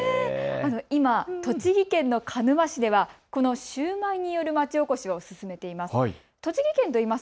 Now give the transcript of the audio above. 今、栃木県の鹿沼市ではこのシューマイによるまちおこしを進めています。